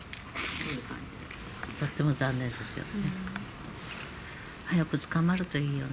とっても残念ですよね。